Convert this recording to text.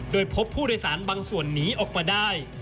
โดยพบผู้โดยสารบางส่วนหนีออกมาได้